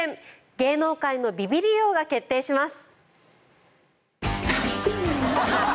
芸能界のびびり王が決定します。